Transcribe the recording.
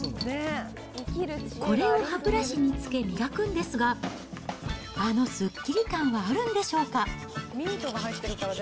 これを歯ブラシにつけ、磨くんですが、あのすっきり感はあるんでしょうか。